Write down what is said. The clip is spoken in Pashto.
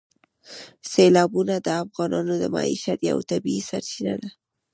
سیلابونه د افغانانو د معیشت یوه طبیعي سرچینه ده.